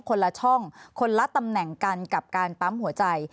คนละช่องคนละตำแหน่งกันกับการปั๊มหัวใจ